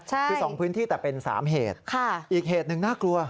คือ๒พื้นที่แต่เป็น๓เหตุอีกเหตุหนึ่งน่ากลัว